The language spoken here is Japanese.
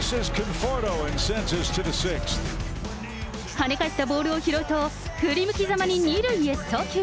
跳ね返ったボールを拾うと、振り向きざまに２塁へ送球。